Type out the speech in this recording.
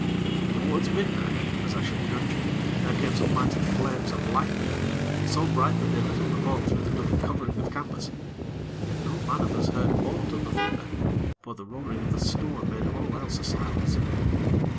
Towards midnight, as I should judge, there came some mighty flames of lightning, so bright that they lit up the boat through the double covering of canvas; yet no man of us heard aught of the thunder; for the roaring of the storm made all else a silence.